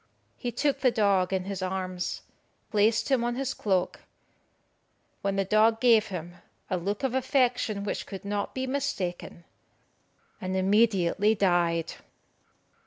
He took the dog in his arms, placed him on his cloak, when the dog gave him a look of affection which could not be mistaken, and immediately died.